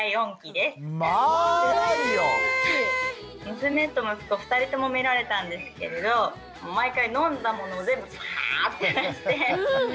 娘と息子２人ともみられたんですけれど毎回飲んだものを全部パーッて出して。